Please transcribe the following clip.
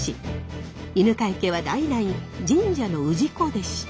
犬養家は代々神社の氏子でした。